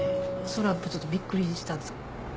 それやっぱちょっとびっくりしたんです。